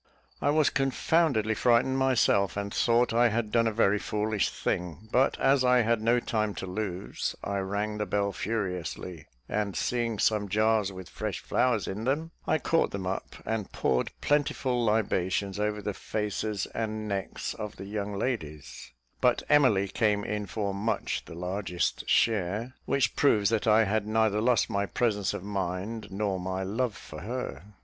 I was confoundedly frightened myself, and thought I had done a very foolish thing; but as I had no time to lose, I rang the bell furiously, and seeing some jars with fresh flowers in them, I caught them up and poured plentiful libations over the faces and necks of the young ladies; but Emily came in for much the largest share, which proves that I had neither lost my presence of mind nor my love for her.